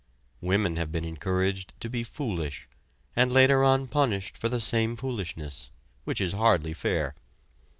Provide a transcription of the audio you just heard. Women have been encouraged to be foolish, and later on punished for the same foolishness, which is hardly fair.